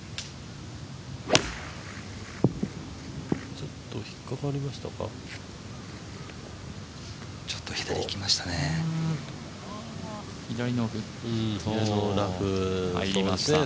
ちょっと引っかかりましたか？